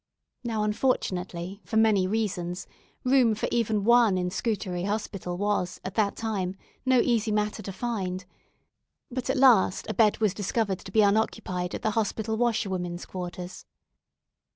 Now unfortunately, for many reasons, room even for one in Scutari Hospital was at that time no easy matter to find; but at last a bed was discovered to be unoccupied at the hospital washerwomen's quarters.